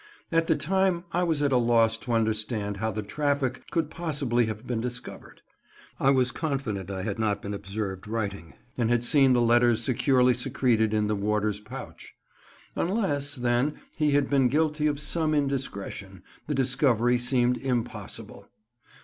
At the time I was at a loss to understand how the traffic could possibly have been discovered. I was confident I had not been observed writing, and had seen the letters securely secreted in the warder's pouch. Unless, then, he had been guilty of some indiscretion, the discovery seemed impossible.